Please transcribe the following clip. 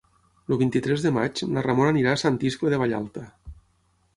El vint-i-tres de maig na Ramona anirà a Sant Iscle de Vallalta.